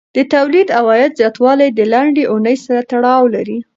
د تولید او عاید زیاتوالی د لنډې اونۍ سره تړاو لري.